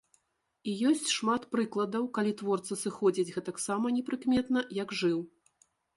І ёсць шмат прыкладаў, калі творца сыходзіць гэтаксама непрыкметна, як жыў.